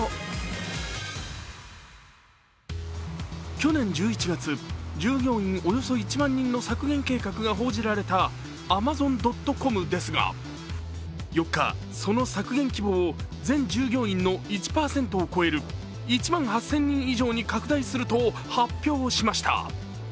去年１１月、従業員およそ１万人の削減計画が報じられたアマゾン・ドット・コムですが、４日、その削減規模を全従業員の１％を超える１万８０００人以上に拡大すると発表しました。